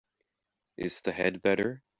Is the head better?